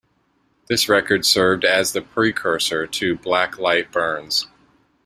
This record served as the precursor to Black Light Burns.